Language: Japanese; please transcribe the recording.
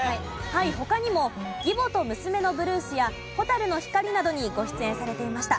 はい他にも『義母と娘のブルース』や『ホタルノヒカリ』などにご出演されていました。